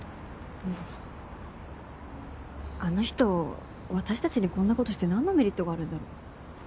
あの人私たちにこんなことしてなんのメリットがあるんだろう。